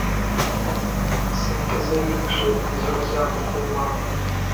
Ssente z’ebinusu nzibu za kukuuma.